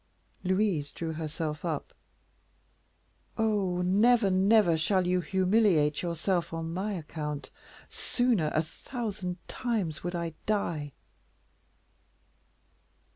Louise drew herself up. "Oh, never, never shall you humiliate yourself on my account; sooner, a thousand times, would I die."